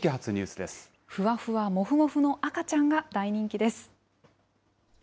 ふわふわ、もふもふの赤ちゃんが大人気です。